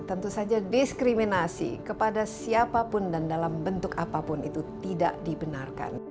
tentu saja diskriminasi kepada siapapun dan dalam bentuk apapun itu tidak dibenarkan